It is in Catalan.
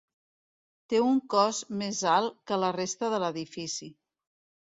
Té un cos més alt que la resta de l'edifici.